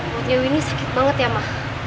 buatnya winnie sakit banget ya ma